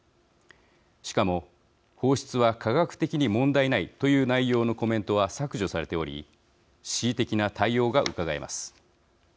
しかも放出は科学的に問題ないという内容のコメントは削除されており恣意的な対応がうかがえます。